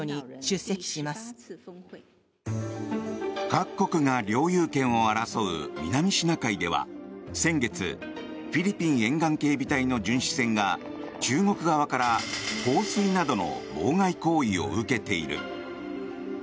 各国が領有権を争う南シナ海では先月フィリピン沿岸警備隊の巡視船が中国側から放水などの妨害行為を受けている。